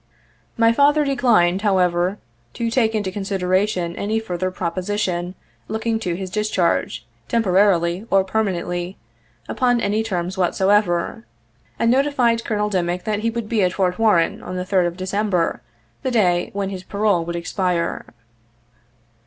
My father declined, however, to take into consideration any further proposition looking to his discharge, temporarily or per manently, upon any terms whatsoever, and notified Col. Dimick that he would be at Fort Warren on the 3d of December, the day when his parole would expire.